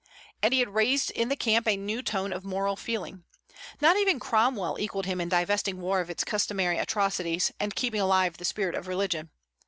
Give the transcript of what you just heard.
And he had raised in the camp a new tone of moral feeling. Not even Cromwell equalled him in divesting war of its customary atrocities, and keeping alive the spirit of religion.